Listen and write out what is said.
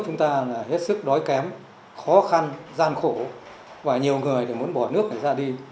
chúng ta là hết sức đói kém khó khăn gian khổ và nhiều người muốn bỏ nước này ra đi